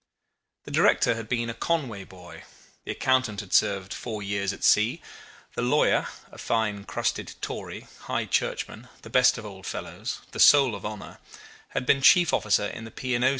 The director had been a Conway boy, the accountant had served four years at sea, the lawyer a fine crusted Tory, High Churchman, the best of old fellows, the soul of honour had been chief officer in the P. & O.